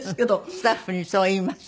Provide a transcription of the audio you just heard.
スタッフにそう言います。